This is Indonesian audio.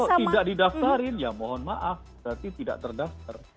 kalau tidak didaftarin ya mohon maaf berarti tidak terdaftar